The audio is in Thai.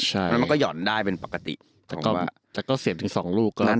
ใช่แล้วมันก็หย่อนได้เป็นปกติแต่ก็แต่ก็เสียถึงสองลูกก็นั่น